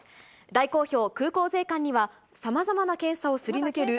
大好評、空港税関には、さまざまな検査をすり抜ける